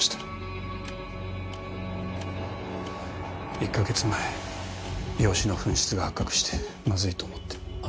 １カ月前用紙の紛失が発覚してまずいと思って。